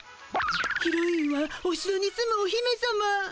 ヒロインはおしろに住むお姫さま。